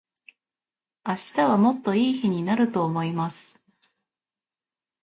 明日はもっと良い日になると思います。